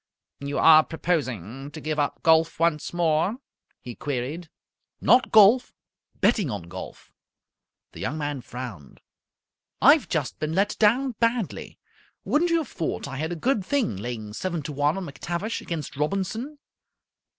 "You are proposing to give up golf once more?" he queried. "Not golf. Betting on golf." The Young Man frowned. "I've just been let down badly. Wouldn't you have thought I had a good thing, laying seven to one on McTavish against Robinson?"